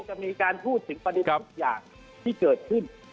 จะมีการพูดถึงประเด็นทุกอย่างที่เกิดขึ้น